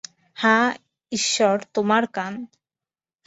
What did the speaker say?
হায় ঈশ্বর, তোমার কান।